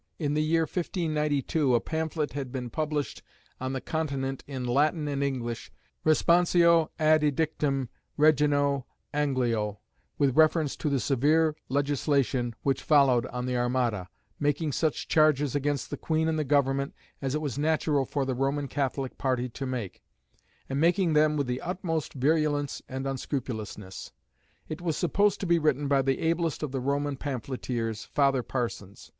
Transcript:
In the year 1592 a pamphlet had been published on the Continent in Latin and English, Responsio ad Edictum Reginæ Angliæ, with reference to the severe legislation which followed on the Armada, making such charges against the Queen and the Government as it was natural for the Roman Catholic party to make, and making them with the utmost virulence and unscrupulousness. It was supposed to be written by the ablest of the Roman pamphleteers, Father Parsons.